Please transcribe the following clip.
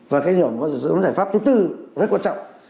và cái nhóm giải pháp thứ tư rất quan trọng